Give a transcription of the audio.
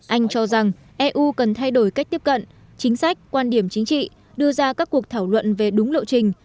anh cho rằng eu cần thay đổi cách tiếp cận chính sách quan điểm chính trị đưa ra các cuộc thảo luận về đúng lộ trình